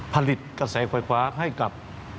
ผลิตกระแสไฟฟ้าให้กับ